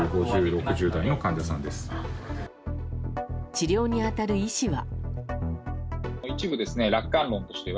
治療に当たる医師は。